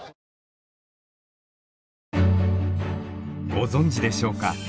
ご存じでしょうか。